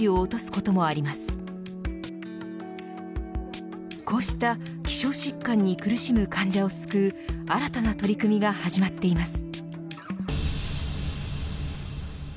こうした希少疾患に苦しむ患者を救う新たな取り組みが始まっています。